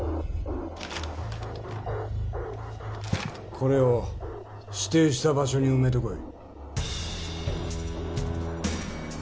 これを指定した場所に埋めてこい。